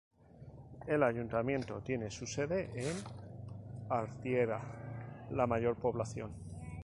El ayuntamiento tiene su sede en Artieda, la población mayor.